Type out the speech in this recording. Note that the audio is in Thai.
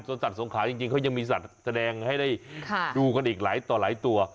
ส่วนสัตว์สงขาจริงเขายังมีสัตว์แสดงให้ได้ดูกันอีกหลายต่อหลายตัว